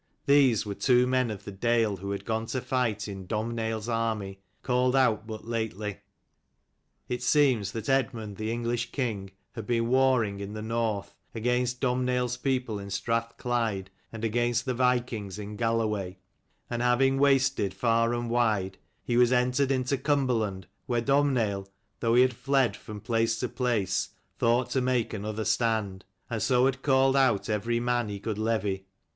These were two men of the dale who had gone to fight in DomhnailPs army, called out but lately. It seemed that Eadmund the English king had been warring in the North against Dornhnaill's people in Strathclyde, and against the vikings in Galloway: and having wasted far and wide, he was entered into Cumberland where Domhnaill, though he had fled from place to place, thought to make another stand: and so had called out every man he could levy.